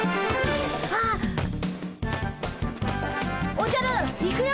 おじゃるいくよ！